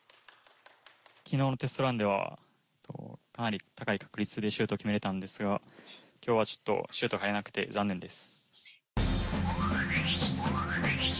昨日のテストランではかなり高い確率でシュートを決められたんですが今日はちょっとシュートが入らなくて残念です。